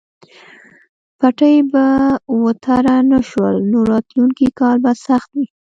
پټي به وتره نه شول نو راتلونکی کال به سخت وي.